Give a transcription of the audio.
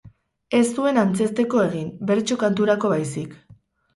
Ez zuen antzezteko egin, bertso kanturako baizik.